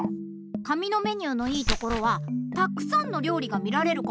紙のメニューのいいところはたくさんのりょうりがみられること。